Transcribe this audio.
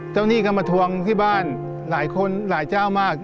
หนี้ก็มาทวงที่บ้านหลายคนหลายเจ้ามาก